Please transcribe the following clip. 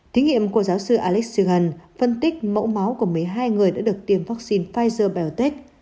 thí nghiệm của giáo sư alex siegel phân tích mẫu máu của mấy hai người đã được tiêm vaccine pfizer biontech